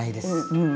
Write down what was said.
うん。